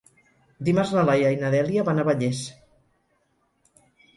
Dimarts na Laia i na Dèlia van a Vallés.